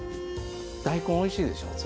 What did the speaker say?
大根おいしいでしょすごい。